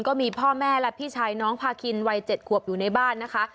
ก็มีพ่อแม่และพี่ชายน้องพาคินวัย๗ขวบอยู่ในบ้านนะคะ